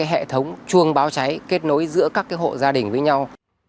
hệ thống chuông báo cháy kết nối giữa các hộ gia đình với nhau